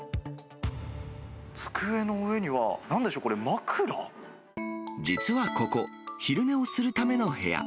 机の上には、なんでしょう、実はここ、昼寝をするための部屋。